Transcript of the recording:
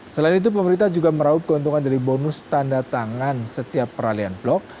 selain itu pemerintah juga meraup keuntungan dari bonus tanda tangan setiap peralihan blok